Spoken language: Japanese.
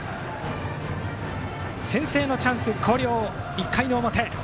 先制のチャンス、広陵１回の表。